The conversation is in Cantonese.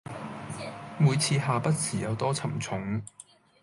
每次下筆時有多沉重